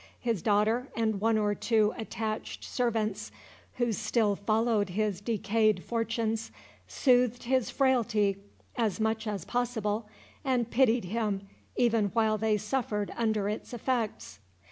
His daughter, and one or two attached servants, who still followed his decayed fortunes, soothed his frailty as much as possible, and pitied him even while they suffered under its effects.